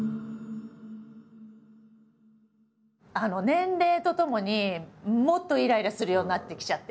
年齢とともにもっといらいらするようになってきちゃってるし。